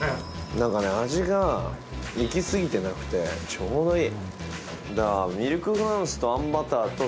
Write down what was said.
何かね味がいき過ぎてなくてちょうどいい。